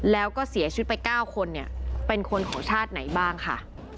แล้วก็เสียชีวิตไป๙คนเนี่ยเป็นคนของชาติไหนบ้างค่ะ